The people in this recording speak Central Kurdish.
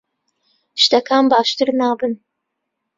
شتەکان باشتر نابن.